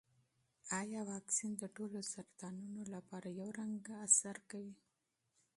ایا واکسین د ټولو سرطانونو لپاره یو شان اغېز لري؟